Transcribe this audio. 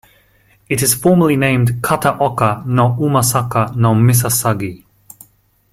It is formally named "Kataoka no Umasaka no misasagi".